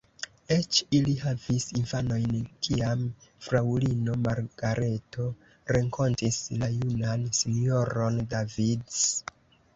Eĉ ili havis infanojn, kiam fraŭlino Margareto renkontis la junan S-ron Davis.